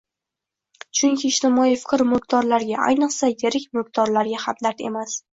Chunki ijtimoiy fikr mulkdorlarga, ayniqsa yirik mulkdorlarga hamdard emas